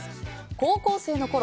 高校生のころ